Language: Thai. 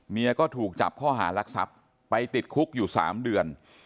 ก็ถูกจับข้อหารักทรัพย์ไปติดคุกอยู่๓เดือน